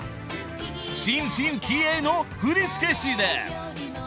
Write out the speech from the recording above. ［新進気鋭の振付師です］